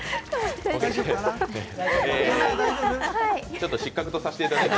ちょっと失格とさせていただいて。